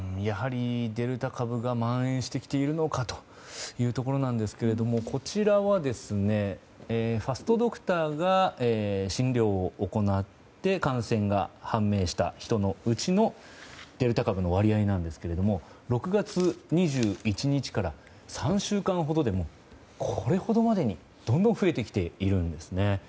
デルタ株がまん延してきているのかというところですがこちらはファストドクターが診療を行って感染が判明した人のうちのデルタ株の割合ですが６月２１日から３週間ほどでこれほどまでに、どんどんと増えてきているんですね。